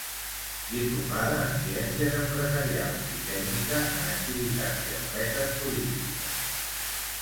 Diplomada en ciències empresarials i tècnica en activitats i empreses turístiques.